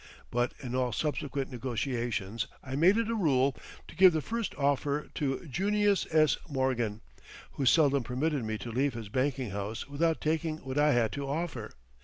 But in all subsequent negotiations I made it a rule to give the first offer to Junius S. Morgan, who seldom permitted me to leave his banking house without taking what I had to offer.